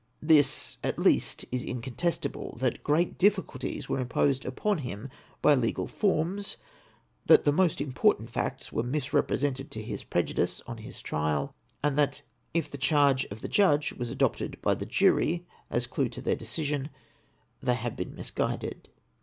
This, at least, is incontestible, that great difficulties were imposed upon him by legal forms ; that the most important facts were misrepresented to his prejudice on his trial ; and that if the charge of the judge was adopted by the jury as a clue to their decision, they have been misguided.